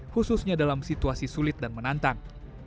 khususnya dalam situasi sulit dan menantang